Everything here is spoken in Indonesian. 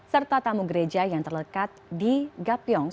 serta tamu gereja yang terlekat di gapyong